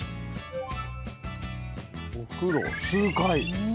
お風呂数回。